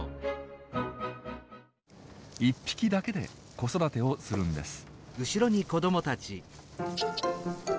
一匹だけで子育てをするんです。